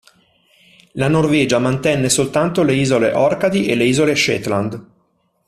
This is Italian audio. La Norvegia mantenne soltanto le isole Orcadi e le Isole Shetland.